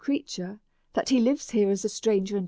creature ; that he lives here as a strajiger Col.